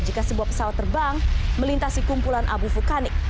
jika sebuah pesawat terbang melintasi kumpulan abu vulkanik